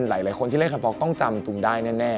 หลายคนที่เล่นคาป๊อกต้องจำตุมได้แน่